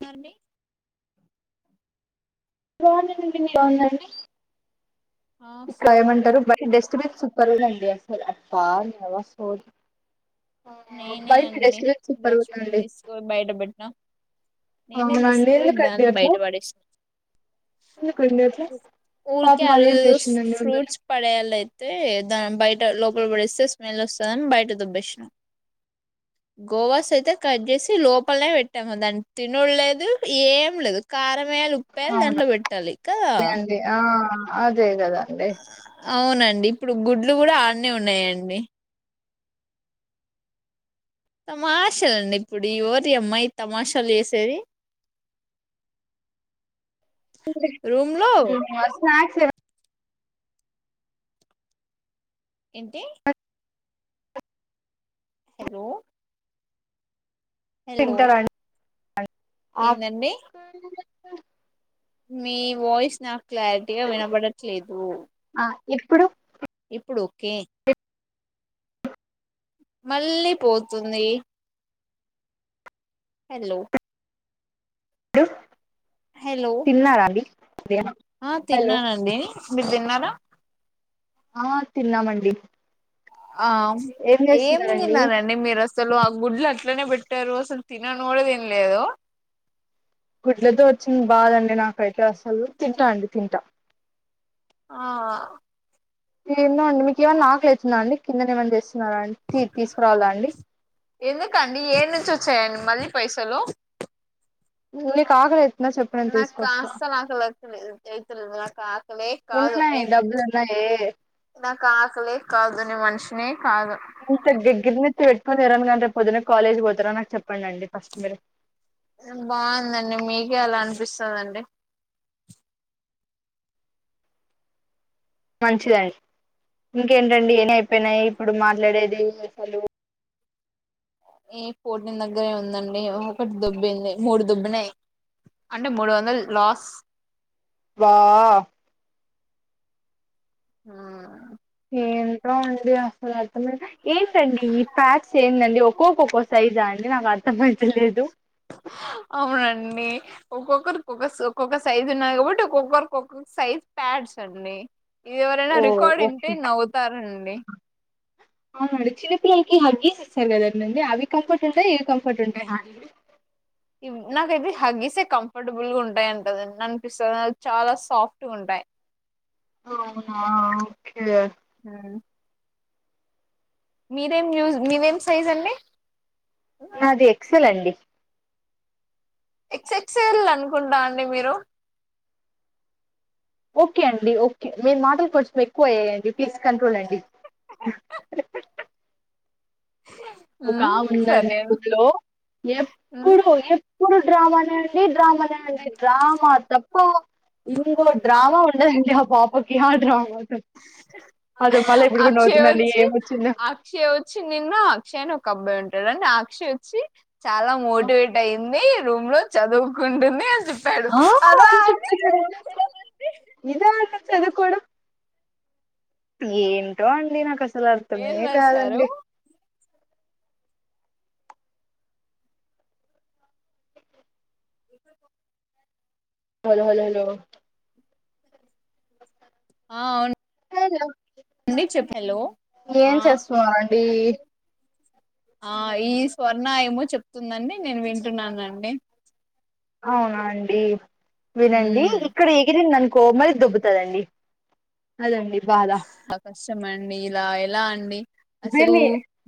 ధరణి బావునున్నండి మీర్ బావున్నారండి? ఆ ఇకా ఏమంటారు సూపర్ బ డస్ట్బిన్ సూపర్ ఉందండి అసలు అప్పా నవా సో అవునా నేనే మొబైల్ అండి డస్ట్బిన్ సూపర్ డస్ట్బిన్ ఉందండి. తీసుకుపోయి బయట పెట్టినా నేనే అవునండి తీసుకుపోయి దేని కండి దాన్ని బయట అట్లా ఎందుకండి అ ఊలికే అల్ స్ మిమ్మల్ని ఫ్రూట్స్ పడేయలైతే దన్ బయట లో గుబడిస్తే స్మెల్ వస్తాదని బయట దోబ్బేస్న గోవాస్ అయితే కట్ చేసి లోపలనే పెట్టాం దాన్ని తినుడ్లేదు ఏం లేదు కారం వేలు ముప్పయలు దాంట్లో అవునండి పెట్టాలి క అండి ఆ అదే గదా అండి డిప్పుడు గుడ్లు కూడా అన్నే ఉన్నాయండి. తమాషలండి ఇప్పుడు ఈ వోరి అమ్మాయి తమాషాలు చేసేది. బ్లాంక్ స్నాక్స్ ఎంటి హలో హలో ఆక్ ఏందండి మీ వాయిస్ నాక్ క్లారిటీగా వినబడట్లేదూ. ఇప్పుడు ఇపుడోకే మళ్ళీ పోతుంది హేల్లో డు హలో తిన్నారా అండి ఆ హలో తిన్నానండి మీర్ తిన్నరా ఆ తిన్నామండి ఆమ్ ఏం తిన్నారండ మీరసలు ఆ గుడ్లట్లనే పెట్ ట్టారు అస్సల్ తినంకుడదిన్లేదూ గుడ్లతో ఓచ్చింది బాదండి నాకైతే అసలు తింటా అండి తింటా ఆ ఏందో అండి మీకేమన్నా అక్కలైతుంద అండి కిందనే ఏమన్నా జేస్ ఎందుకండి ఏడ్ నుంచి ఓచ్చాయండి మళ్ళీ పైసలు నీక్ అకల్ నాక్ ఆస్సల్ ఆకలైతలేదు ఏదలేద్ నాక్ ఆక్ కలే కాదు ఉన్నాయి నేన్ డబ్బులు ఉన్నాయి నాక్ ఆకలే కాదు నే మనిషినే కాదు ఇంత డిగ్గిర్నట్ [unintelligible] పొదున్న కాలేజీ పోతార నాచేప్పండిండి ఫస్ట్ మీరు బావుదండి మీకే అలా అనిపిస్తదండి మంచిఅండి ఇంకేంటండి ఏనైయిపోయినాయి ఇప్పుడు మాట్లాడేది అసలు ఏ ఫోట్టిన్ దగ్గరే ఉందండి ఒకటి దుబ్బింది మూడు దుబ్బినై అంటే మూడు వందలు లాస్ వా మ్మ్ ఎంటో అండీ అసలర్థమే ఏంటండి ఈ ప్యాడ్స్ ఏందండి ఒ కొకొక్క సైజా అండి నాకు అర్థమైతలేదు అవునండి ఒక్కొక్కరిక్ ఒకస్ ఒక్కొక్క సైజు ఉన్నది కాబట్ ఒక్కొక్కరికి ఒక్కొక్క సైజ్ ప్యా డ్స్ అండి ఎవరైనా ఓ రికార్డ్ ఓకే ఈట్టే నవ్వుతారండి అవునండి చిన్నపిల్లకి హగ్గీస్ ఇస్తారగదండి అవి కంఫర్ట్ ఉంటాయా ఇవి కంఫర్ట్ ఉంటాయా అండి ఇవ్ నాకైతే హగ్గిసే కంఫబుల్గుటై ఆటాయింటయ్ అన్న్పిస్తంది చాలా సాఫ్టుగుంటాయ్ ఎ అవునా ఓకే మ్మ్ మీదేం యుస్ మీవేం సైజ్ అండి నాది ఎక్స్కెల్ అండి ఎక్స్ ఎక్సెల్ అనుకుంటా అండి మీరు ఓకే అండి ఓక్ కే మేర్ మాటలు కొంచెం ఎక్కువయ్యాయండి ప్లీజ్ కంట్రోల్ అండి ఉమ్ ఒకముందండి సరే అండి బుక్ర్లో యేప్పుడు యేప్పుడు డ్రామానే అండి డ్రామానే అండి డ్రామా తప్ప ఇంకో డ్రామ ఉండదాండి మా పాపకి ఆడ్రామ త్ అక్షెయ్యొచ్చి ఏమొచ్చిందో అక్షెయ్యొచ్చి నిన్ను అక్షయ్య్ అని ఒక అబ్బాయి ఉంటాడన్నీ ఆ అక్షయ్ ఓచ్చి చాలా ఆ మోడివేటైయింది రూమ్ లో చదువుగుంటుంది అన్ ఆహా [unintelligible] అంటే ఏల అల చదువుకోడం ఏంటో అండి నాక్ అసలు అర్థమే ఏం రాశారు కాదండి హలో హలో లో ఆ అవున్ ఆ ఏం చేస్తున్నారు అండి ఆ ఈ స్వర్ణ ఏమో చెప్తుందండి నేను వింటున్నానండి అవునా అండి వినండి మ్మ్ ఇక్కడ ఎగిరిందినుకో మళ్ళీ దోబ్బుతదండి అదండి బాధ ఆ కష్టమండి ఇలా ఎలా అండి అసలు గనీ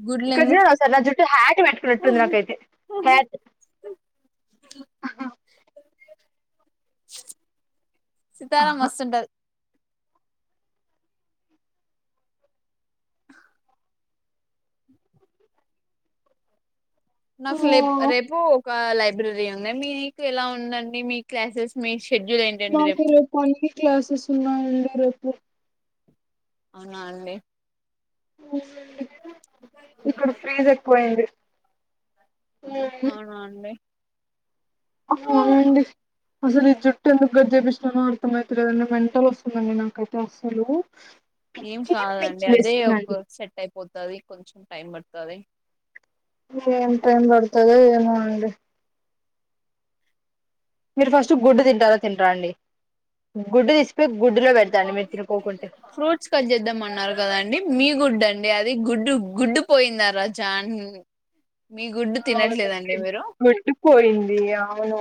గుడ్లు ఇక్కడ ఎందుకు జూడుకోసారి నా జుట్టు హ్యాట్ పెట్టుకునట్టుంది నాకైతే హ్యాట్ సీతారాం మస్తుంటది నాకు లెప్ రేపు ఒక లై బ్రరీ ఉంది మీకు ఎలా ఉందండి మీ క్లాసెస్ మీష్ నాకు రేపు అన్ని క్లాసెస్ ఉన్నాయండి రేపు అవునా అండి ఇక్కడ ప్రిజ్ ఎక్కువయింది అవునా అండి అవునండి అసలు ఈ జుట్టు ఎందుకు గట్ చెపిచ్చిన్నానో అర్థం అయితలేదండి మెంటల్ వస్తుందండి నాకైతే అసలు ఏం కాదండి అదే ఒక సెట్ అయిపోతాది కొంచెం టైం పడుతాది ఏం టైం పడుతదో ఏమో అండి మీరు ఫస్ట్ గుడ్డు తింటార తినరా అండి గుడ్డు తీసికపోయి గుడ్డులో పెడుతాండి మీరు తినుకోకుంటే ఫ్రూట్స్ కట్ చేద్దాం అన్నారు కదండి మీ గుడ్డు అండి అది గుడ్డు గుడ్డు పోయింద రాజాన్ గుడ్డుపోయింది అవును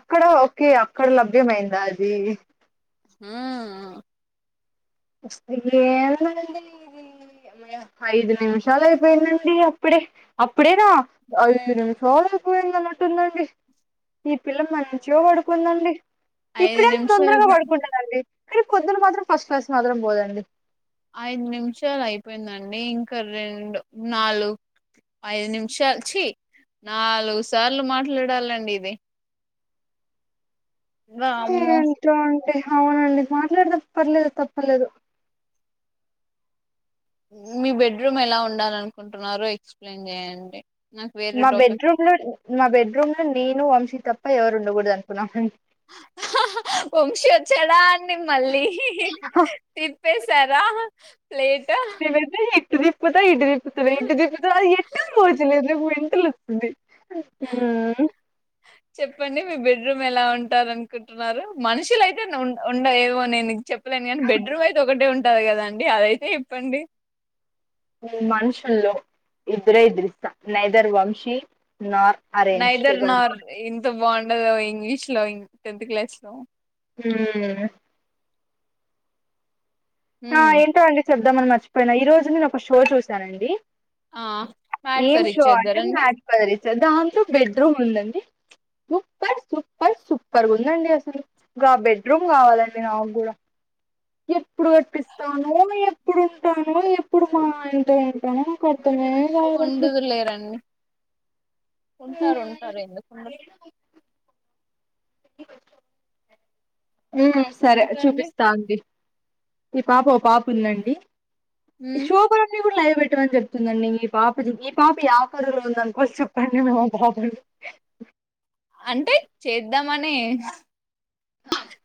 అక్కడ ఒకే అక్కడ లభ్యమైందా అది ఉమ్ం ఎందండి ఇది అమ్మయ్య ఐదు నిమిషాలు అయిపోయిదండి అప్పుడే అప్పుడేనా ఐదు నిమిషాలు అయిపోయిదన్న టుందండి ఈ పిల్ల మ చిగా పడుకుదండి ఐదు ఇప్పుడేం తొందరగా నిమిషాలకు పడుకుంటానండి కానీ పొద్దున మాత్రం ఫస్ట్ క్లాస్ మాత్రం పోదండి ఐదు నిమిషాలు అయిపోయిదండి ఇంకా రెండు నాలుగ్ ఐదు నిమిషాలుచీ నాలుగు సార్లు మాట్లాడాలండి ఇది వామ్మో రే అవునండి మాట్లాడుదాం పర్లేదు తప్పు లేదు మీ బెడ్రూమ్ ఎలా ఉండాల అనుకుంటున్నారో ఎక్సప్లయిన్ చేయండి నాకు వేరే మా టాపిక్ బెడ్రూమ్ లో మా బెడ్రూమ్ లో నేను వంశీ తప్ప ఎవరు ఉండకూడదు అనుకున్నాం అండి చెడా అండి మళ్ళీ తిప్పేశారా ప్లేట్ మేమైతే ఇటు దీప్పుత ఇటు దీప్పుతది ఇటు దీపుతే అది ఎటమ్మ మంచిగా లేదు నాకు మెంటల్ అస్తది ఉమ్ చెప్పండి మీ బెడ్రూమ్ ఎలా ఉంటారు అనుకుంటున్నారు మనుషుల అయితే ఉ ఉండ ఏవో నేను చెప్పలేను కానీ బెడ్రూమ్ అయితే ఒకటే ఉంటది కదాండి అదైతే చెప్పండి మనుషుల్లో ఇద్దరే ఇద్దరు ఇస్తా నైదర్ వంశీ నార్ అరేంజ్డ్ నైదర్ నార్ ఇంత బాగుండదో ఇంగ్లీష్ లో టెన్త్ క్లాస్ లో ఉమ్ ఆ మ్మ్. ఎంటో అండి చెప్పుదామని మర్చిపోయిన ఈరోజు నేను ఒక షో చూశానండి ఆ మ్యాట్ ఏం సార్ షో అంటే ఇచ్చేద్దారండి నాటపారీత్యా దాంట్లో బెడ్రూమ్ ఉందండి [unintelligible] పస్ సూపర్గా ఉందండి అసలు గా బెడ్రూమ్ కావాలండి నాకు గుడ ఎప్పుడు కట్టిపిస్తానో ఎప్పుడుంటాము ఎప్పుడు మా ఆయన తో ఉంటానో పొద్దున్నే లేవరండీ ఉంటారుంటారు ఎందుకుండరు హ్మ్ సరే ఎందుకండి చూపిస్తా అండి ఈ పాప ఓ పాప ఉందండి మ్మ్ షోబణం కూడ లైవ్ పెట్టమని చెప్తుందండి మీ పాపది మీ పాప యాకాలం లో ఉందనుకోసి చెప్పండి మేము ఆ పాపని అంటే చేద్దామనే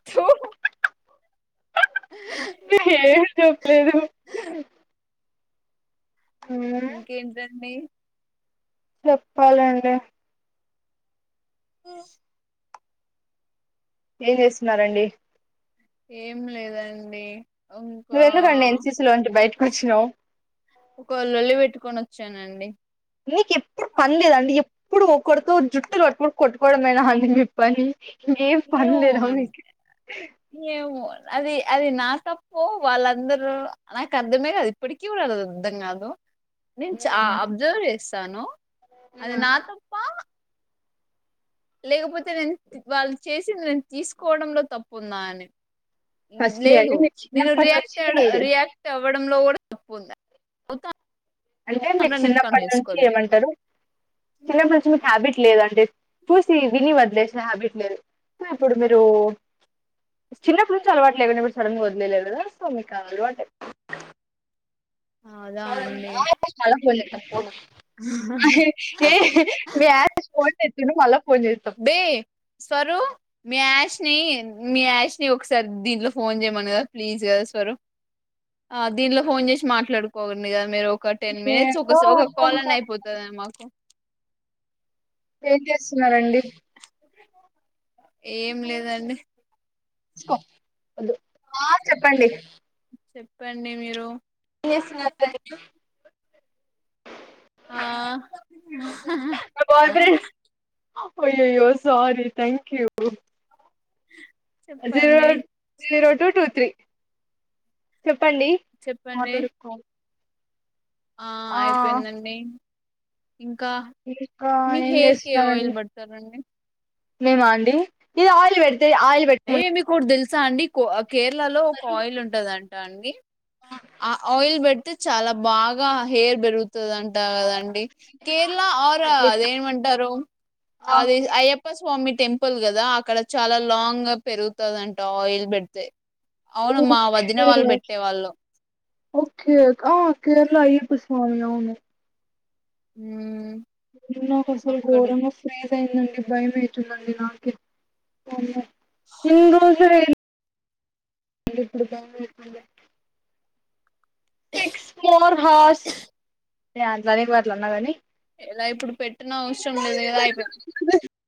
తు నేన్ ఏం చేప్లేదు ఇంకెంటన్డీ చెప్పాలండి హ్మ్ ఏం చేస్తున్నారండి ఏం లేదండి ఇంకా నువ్వెందుకండి ఎన్సిసి లోంచి బయటకు ప్చ్ వచ్చినావు ఒక లొల్లివెట్టుకొనోచ్ చానండి నీకు ఎప్పుడు పన్ లేదండి ఎప్పుడు ఒకరుతో జుట్ జుట్టు పట్టుకొని కొట్టుకోవడమేనా అండి మీపని ఏం ఏమో పన్లేదా అండి. మీకి ఏమో అది అది నా తప్పో వాళ్ళందరూ నాకర్థమే కాదు ఇప్పటికీ కూడ అది అర్ధం గాదు నేను చా అబ్జర్వ్ చేస్తాను అది నా తప్పా లేకపోతే నేను వాళ్ళు చేసింది నేను తీసుకోడంలో తప్పుందా అని ఫస్ట్లీ లేదు అండి మీరు నేను చిన్నప్పటి నుంచి రియాక్టెడ్ రియాక్ట్ అవ్వడంలో కూడ తప్పుందా [unintelligible] ఆయన మీకు చిన్నప్పటి నుంచి ఏమంటారు చిన్నప్పటి నుంచి మీకు హ్యాబిట్ లేదండి చూసి విని వదిలేసిన హ్యాబిట్ లేదు ఇప్పుడు మీరు చిన్నప్పటి నుంచి అలవాటు లేకుండే ఇప్పుడు సడన్గా వదిలేయలేడు సో మిక్ అది అలవాటు ఆ అదాండి ఏ ఏ మీ యాష్నిను ఫోన్ చేస్తుండు మళ్ల బే స్వరూ మీ యాష్ని మీ యాష్ని ఒకసారి దీంట్లో ఫోన్ చేయమను కదా ప్లీజ్ కదా స్వరు ఆ దీన్లో ఫోన్ చేసి మాట్లాడుకోండి కదా మీరు ఒక టెన్ మినిట్స్ ఏంటో ఒకసా ఒక అర్థం కాల్ అన్న కాలేదు అయిపోతది మాకు ఏం చేస్తున్నారండి ఏం లేదండి ఆ చెప్పండి చెప్పండి మీరు [unintelligible] ఆ అయ్యయ్యో సారీ థాంక్ యూ జీరో చెప్పండి జీరో టూ టూ త్రీ ప్పండి చెప్పండి ఆ అయిపెయిందండి ఇంకా మీ ఏం హెయిర్ కి ఏ ఆయిల్ చేస్తున్నారండి పడతారండి మేమాండి ఇగ ఆయిల్ పెట్టీ ఆయిల్ బెట్టీ స అండి కో కేరళలో ఒక ఆయిల్ ఉంటదంట అండి ఆ ఆయిల్ పెడ్తే చాలా బాగా హెయిర్ పెరుగుతదంట కదం కేర్ళ ఆర్ అదేమంటారు అది అయ్యప్ప స్వామి టెంపుల్ కదా అక్కడ చాలా లాంగ్గా పెరుగుతదంట ఆయిల్ పెడ్తే. అవును మా వదిన వాళ్ళు బెట్టే వాళ్ళు. ఒకే ఆ కేరలా అయ్యప్ప స్వామి అవును హ్మ్ నాకసలు గోరంగోస్తున్నయి దండి భయం అయితుందండి నాకె వామ్మో అదే ఇప్పుడు భయమైతుంది. సిక్స్ మోర్ హార్స్ యా [unintelligible] ఉన్న గని ఇలా ఇప్పుడు పెట్టినవసరం లేదు గదా అయిపో